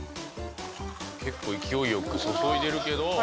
結構勢いよく注いでるけど。